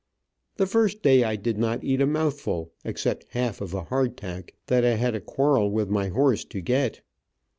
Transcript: The first day I did not eat a mouthful, except half of a hard tack that I had a quarrel with my horse to get.